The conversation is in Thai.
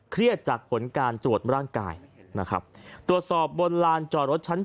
จากผลการตรวจร่างกายนะครับตรวจสอบบนลานจอดรถชั้น